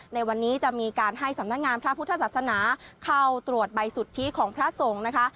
ในวันนี้จะมีการให้สำนักงานพระพุทธศาสนาเข้าตรวจใบสุทธิของพระสงฆ์นะคะ